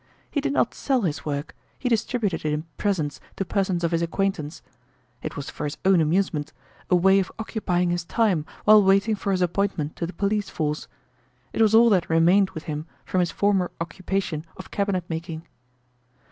He did not sell his work, he distributed it in presents to persons of his acquaintance. It was for his own amusement, a way of occupying his time while waiting for his appointment to the police force. It was all that remained with him from his former occupation of cabinetmaking.